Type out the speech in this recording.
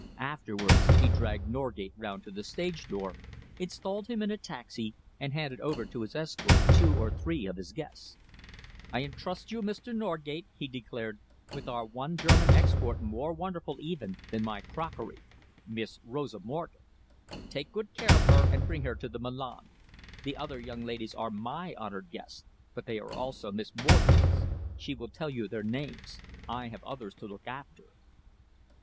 Afterwards he dragged Norgate round to the stage door, installed him in a taxi, and handed over to his escort two or three of his guests. "I entrust you, Mr. Norgate," he declared, "with our one German export more wonderful, even, than my crockery Miss Rosa Morgen. Take good care of her and bring her to the Milan. The other young ladies are my honoured guests, but they are also Miss Morgen's. She will tell you their names. I have others to look after."